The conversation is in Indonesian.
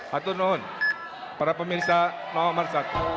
hatunun para pemirsa nomor satu